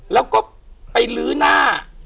แล้วก็ไปลื้อหน้า